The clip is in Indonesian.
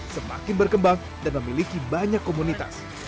semakin berkembang dan memiliki banyak komunitas